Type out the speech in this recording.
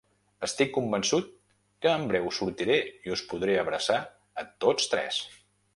Estic convençut que en breu sortiré i us podré abraçar a tots tres!